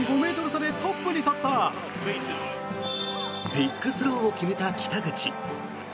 ビッグスローを決めた北口。